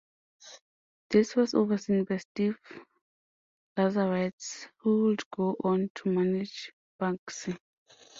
This was overseen by Steve Lazarides, who would go on to manage Banksy.